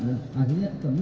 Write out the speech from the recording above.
dan akhirnya kembali